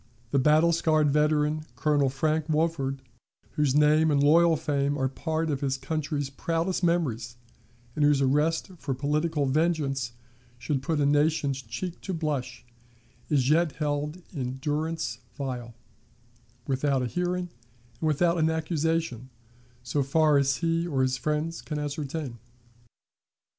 The battle scarred veteran, Colonel Frank Wolford, whose name and loyal fame are part of his country's proudest memories, and whose arrest for political vengeance should put a nation's cheek to blush, is yet held in durance vile, without a hearing and without an accusation, so far as he or his friends can ascertain.